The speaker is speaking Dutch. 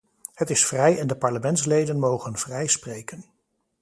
Het is vrij en de parlementsleden mogen vrij spreken.